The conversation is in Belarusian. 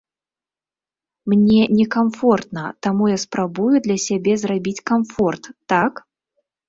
Мне не камфортна, таму я спрабую для сябе зрабіць камфорт, так?